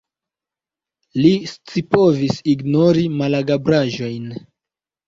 Li scipovis ignori malagrablaĵojn.